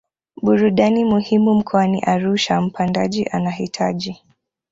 burudani muhimu mkoani Arusha Mpandaji anahitaji